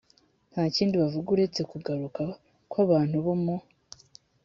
nta kindi buvuga uretse kugaruka kw abantu bo mu